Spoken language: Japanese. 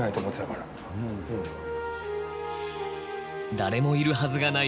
誰もいるはずがない